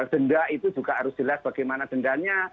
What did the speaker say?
denda itu juga harus jelas bagaimana dendanya